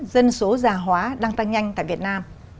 dân số già hóa đang tăng nhanh tại việt nam